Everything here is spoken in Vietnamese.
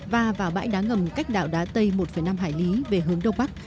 và vào bãi đá ngầm cách đảo đá tây một năm hải lý về hướng đông bắc